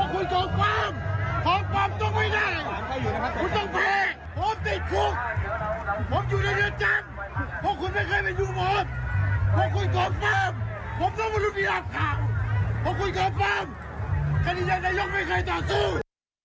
ผมติดคุกผมอยู่ในเรือจักร